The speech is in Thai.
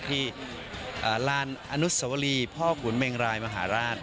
ที่ลานอนุสวรีพ่อขุนเมงรายมหาราช